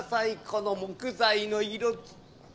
この木材の色。